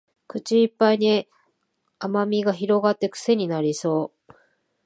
口いっぱいに甘味が広がってクセになりそう